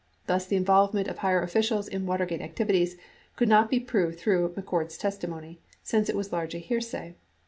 Thus, the involvement of higher officials in Water gate activities could not be fully proved through McCord's testimony, since it was largely hearsay.